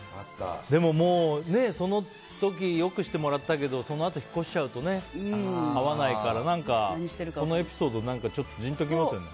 もうその時良くしてもらったけどそのあと引っ越しちゃうと会わないから何か、そのエピソードちょっとじんときますよね。